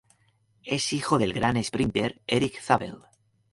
Es hijo del gran esprínter Erik Zabel.